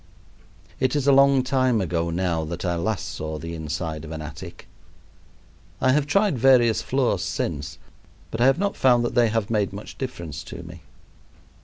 It is a long time ago now that I last saw the inside of an attic. I have tried various floors since but I have not found that they have made much difference to me.